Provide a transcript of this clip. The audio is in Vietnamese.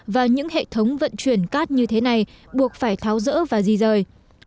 và những hệ thống vận chuyển cát như thế này buộc phải tháo rỡ và di rời